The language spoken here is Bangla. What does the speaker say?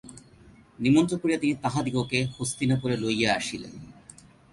নিমন্ত্রণ করিয়া তিনি তাঁহাদিগকে হস্তিনাপুরে লইয়া আসিলেন।